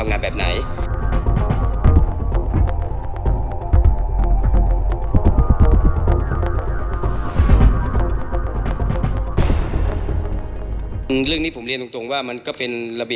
มีการที่จะพยายามติดศิลป์บ่นเจ้าพระงานนะครับ